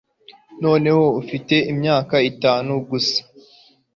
Noneho ufite imyaka itanu gusa